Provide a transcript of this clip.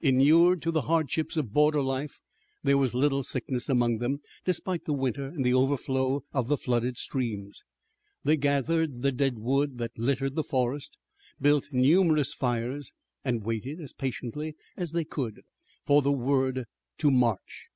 Inured to the hardships of border life, there was little sickness among them, despite the winter and the overflow of the flooded streams. They gathered the dead wood that littered the forest, built numerous fires, and waited as patiently as they could for the word to march.